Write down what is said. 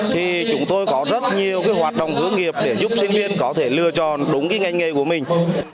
thì chúng tôi có rất nhiều cái hoạt động hướng nghiệp để giúp sinh viên có thể lựa chọn đúng cái ngành nghề của mình